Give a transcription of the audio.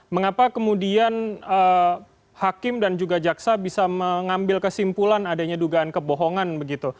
mengapa kemudian hakim dan juga jaksa bisa mengambil kesimpulan adanya dugaan kebohongan begitu